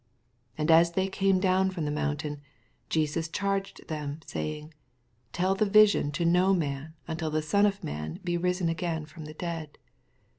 9 And as they came down from the mountain, Jesus charged them, say ing. Tell the vision to no man, unti\ the Son of man be risen again from the dead.